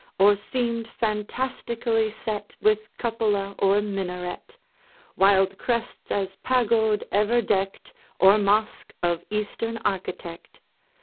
Or seemed fantastically set With cupola or minaret, Wild crests as pagod ever decked, Or mosque of Eastern architect.